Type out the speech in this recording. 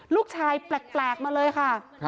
ลูกชายแปลกมาเลยค่ะ